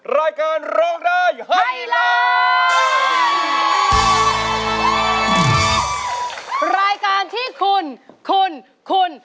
รายการที่คุณคุณคุณ